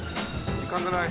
時間がない！